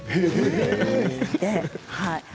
はい。